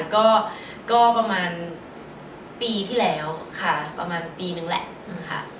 ก็ประมาณปีที่แล้วค่ะประมาณปีนึงแหละค่ะ